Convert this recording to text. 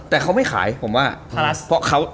แต่เขาไม่ขายผมว่า